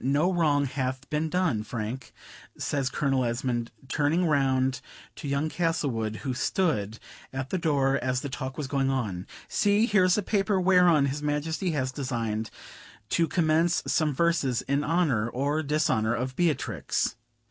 No wrong hath been done, Frank," says Colonel Esmond, turning round to young Castlewood, who stood at the door as the talk was going on. "See! here is a paper whereon his Majesty has deigned to commence some verses in honor, or dishonor, of Beatrix.